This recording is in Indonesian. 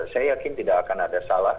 saya yakin tidak akan ada salah